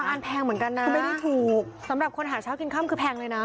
อันแพงเหมือนกันนะคือไม่ได้ถูกสำหรับคนหาเช้ากินค่ำคือแพงเลยนะ